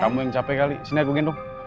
kamu yang capek kali sini aku gendong